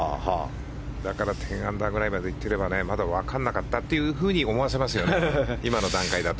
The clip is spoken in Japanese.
だから１０アンダーまで行ってればねまだわからなかったと思わせますよね、今の段階だと。